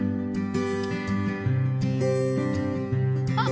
あ！